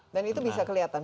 dan itu bisa kelihatan